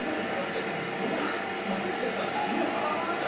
野村萬斎さん。